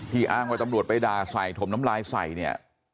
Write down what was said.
ที่อ้างว่าตำรวจไปดาใส่ถมน้ำลายใส่